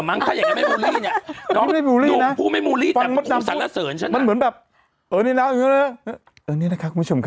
มั้งเขาอย่างนั้นมึงรู้งนะกูไม่บู้นี่ตามมึงจำเป็นเสือกด้วยมันเหมือนแบบเออนี่คุณมาชมค่ะ